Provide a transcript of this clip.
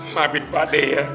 maafin pakde ya